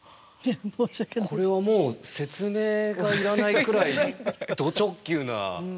これはもう説明がいらないくらいど直球な作品ですね。